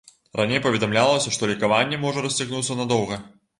Раней паведамлялася, што лекаванне можа расцягнуцца надоўга.